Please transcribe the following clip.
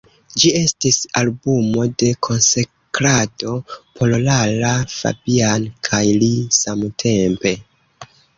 Ĝi estis albumo de konsekrado por Lara Fabian kaj li samtempe.